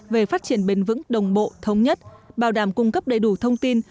về phát triển bền vững đồng bộ thống nhất bảo đảm cung cấp đầy đủ thông tin